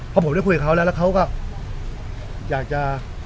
พอผมได้คุยกับเขาแล้วแล้วเขาก็อยากจะ